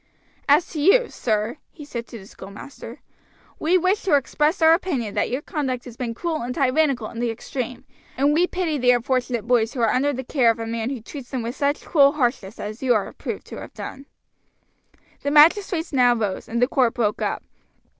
"As to you, sir," he said to the schoolmaster, "we wish to express our opinion that your conduct has been cruel and tyrannical in the extreme, and we pity the unfortunate boys who are under the care of a man who treats them with such cruel harshness as you are proved to have done." The magistrates now rose, and the court broke up.